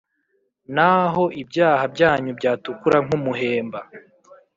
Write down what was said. “Naho ibyaha byanyu byatukura nk’umuhemba